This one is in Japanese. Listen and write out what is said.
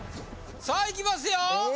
さあいきますよ